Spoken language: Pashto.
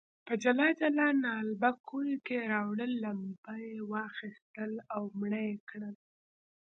په جلا جلا نعلبکیو کې راوړل، لمبه یې واخیستل او مړه یې کړل.